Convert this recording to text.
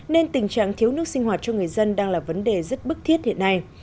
nên tình trạng thiếu nước sinh hoạt cho người dân đang là vấn đề rất bức thiết hiện nay